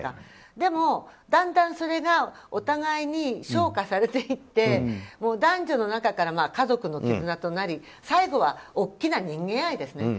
でも、だんだんそれがお互いに、昇華されていって男女の仲から家族の絆となり最後は大きな人間愛ですね。